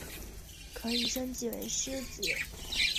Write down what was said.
可以升级为狮子。